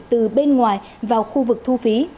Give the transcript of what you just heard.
từ bên ngoài vào khu vực thu phí